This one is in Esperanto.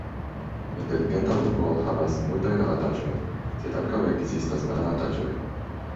Inteligenta urbo havas multajn avantaĝojn, sed ankaŭ ekzistas malavantaĝoj.